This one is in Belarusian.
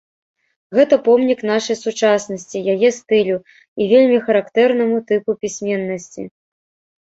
Гэта помнік нашай сучаснасці, яе стылю і вельмі характэрнаму тыпу пісьменнасці.